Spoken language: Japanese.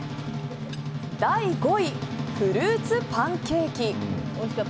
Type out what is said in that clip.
第５位、フルーツパンケーキ。